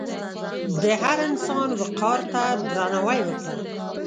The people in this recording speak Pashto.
د هر انسان وقار ته درناوی وکړه.